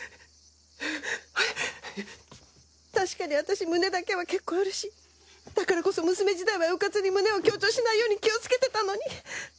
確かに私胸だけは結構あるしだからこそ娘時代はうかつに胸を強調しないように気をつけてたのに。